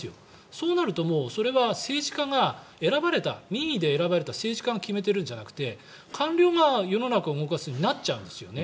そうなるともうそれは政治家が選ばれた民意で選ばれた政治家が決めているんじゃなくて官僚が世の中を動かすになっちゃうんですよね。